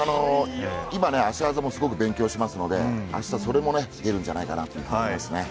今、足技もすごく勉強してますので明日、それも見えるんじゃないかなと思います。